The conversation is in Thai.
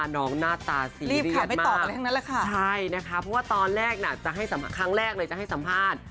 เพราะว่าตอนแรกข้างแรกเลยจะให้สัมภาษณ์